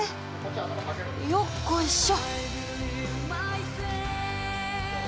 よっこいしょ！